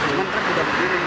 emang truk udah begini